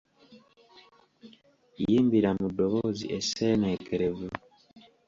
Yimbira mu ddoboozi esseenneekerevu,